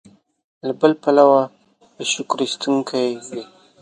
له بل پلوه دې شکر ایستونکی وي.